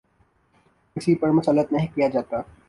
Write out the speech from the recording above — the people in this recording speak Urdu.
کسی پر مسلط نہیں کیا جاتا۔